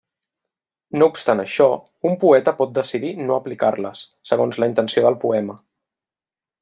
No obstant això, un poeta pot decidir no aplicar-les, segons la intenció del poema.